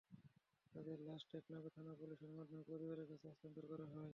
তাঁদের লাশ টেকনাফ থানার পুলিশের মাধ্যমে পরিবারের কাছে হস্তান্তর করা হয়।